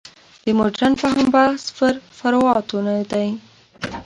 د مډرن فهم بحث پر فروعاتو نه دی.